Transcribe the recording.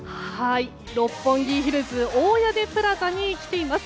六本木ヒルズ大屋根プラザに来ています。